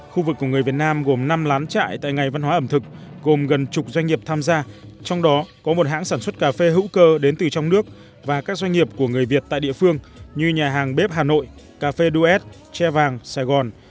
khu vực của người việt nam gồm năm lán trại tại ngày văn hóa ẩm thực gồm gần chục doanh nghiệp tham gia trong đó có một hãng sản xuất cà phê hữu cơ đến từ trong nước và các doanh nghiệp của người việt tại địa phương như nhà hàng bếp hà nội cà phê duet tre vàng sài gòn